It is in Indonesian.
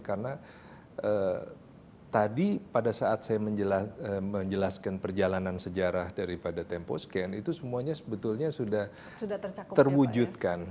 karena tadi pada saat saya menjelaskan perjalanan sejarah daripada temposcan itu semuanya sebetulnya sudah terwujudkan